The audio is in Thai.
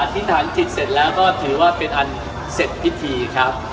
ธิษฐานจิตเสร็จแล้วก็ถือว่าเป็นอันเสร็จพิธีครับ